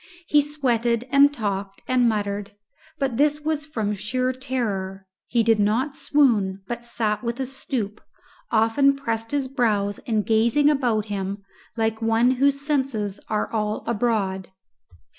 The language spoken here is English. He sweated and talked and muttered, but this was from sheer terror; he did not swoon, but sat with a stoop, often pressing his brows and gazing about him like one whose senses are all abroad.